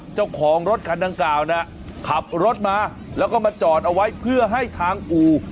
เจ้าของรถคันดังกล่าวนะขับรถมาแล้วก็มาจอดเอาไว้เพื่อให้ทางอู่